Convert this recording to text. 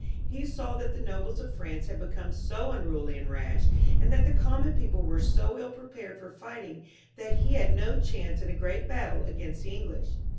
He saw that the nobles of France had become so unruly and rash, and that the common people were so Hi prepared for fighting, that he had no chance in a great battle against the English.